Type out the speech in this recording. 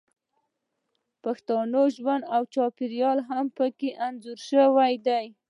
پښتني ژوند او چاپیریال هم پکې انځور شوی دی